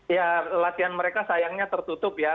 ya latihan mereka sayangnya tertutup ya